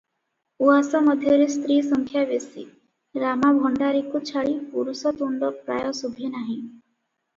ଉଆସ ମଧ୍ୟରେ ସ୍ତ୍ରୀ ସଂଖ୍ୟା ବେଶି, ରାମା ଭଣ୍ଡାରିକୁ ଛାଡ଼ି ପୁରୁଷ ତୁଣ୍ଡ ପ୍ରାୟ ଶୁଭେ ନାହିଁ ।